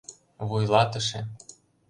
Вуйлатыше: